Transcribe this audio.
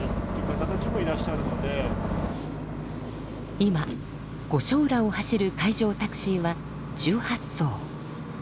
今御所浦を走る海上タクシーは１８艘。